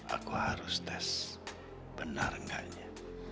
aku harus tes benar enggaknya